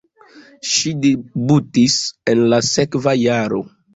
Ŝi debutis en la sekva jaro.